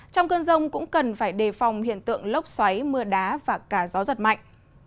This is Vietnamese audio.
trong cơn rông cũng cần phải đề phòng hiện tượng lốc xoáy mưa đá và cả gió giật mạnh